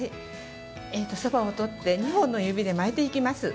そばをとって２本の指で巻いていきます。